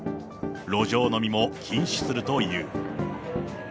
路上飲みも禁止するという。